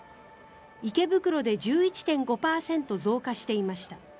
池袋で１１．５％増加していました。